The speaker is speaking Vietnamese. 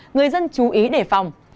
người dân chú ý đề phòng